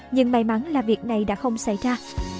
nhưng may mắn là việc này đã không xảy ra